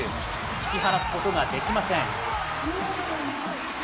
引き離すことができません。